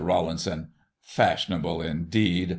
Rawlinson : Fashionable, indeed